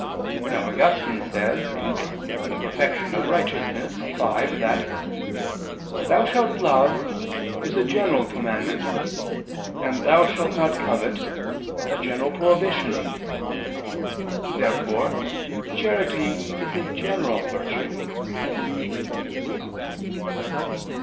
Now Augustine says (De Perfect. Human. Justit. v) that, "Thou shalt love" is "a general commandment," and "Thou shalt not covet," "a general prohibition." Therefore charity is a general virtue.